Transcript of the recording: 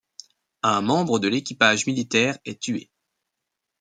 Un membre de l'équipage militaire est tué.